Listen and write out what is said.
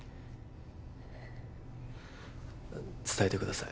伝えてください